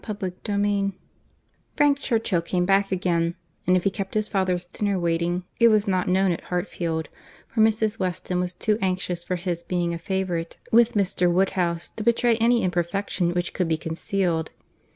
CHAPTER VIII Frank Churchill came back again; and if he kept his father's dinner waiting, it was not known at Hartfield; for Mrs. Weston was too anxious for his being a favourite with Mr. Woodhouse, to betray any imperfection which could be concealed.